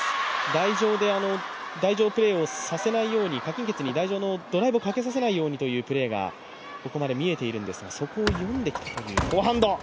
台上で台上プレーをさせないように何鈞傑に台上のドライブをかけさせないようにというプレーがここまで読ませているんですがそこを読んできたという。